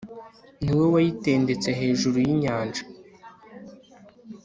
ni we wayitendetse hejuru y'inyanja